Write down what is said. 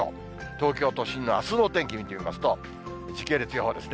東京都心のあすのお天気見てみますと、時系列予報ですね。